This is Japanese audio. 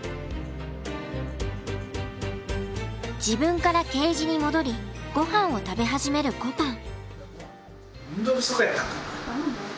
自分からケージに戻りごはんを食べ始めるこぱん。